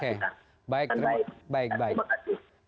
oke baik baik baik terima kasih